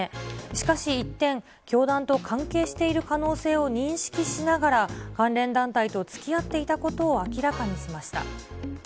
しかし、一転、教団と関係している可能性を認識しながら、関連団体とつきあっていたことを明らかにしました。